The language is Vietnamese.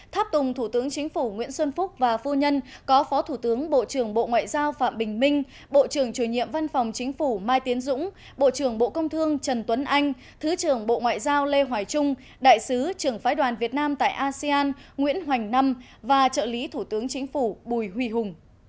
tháp tùng thủ tướng chính phủ nguyễn xuân phúc và phu nhân có phó thủ tướng bộ trưởng bộ ngoại giao phạm bình minh bộ trưởng chủ nhiệm văn phòng chính phủ mai tiến dũng bộ trưởng bộ công thương trần tuấn anh thứ trưởng bộ ngoại giao lê hoài trung đại sứ trưởng phái đoàn việt nam tại asean nguyễn hoành năm và trợ lý thủ tướng chính phủ bùi huy hùng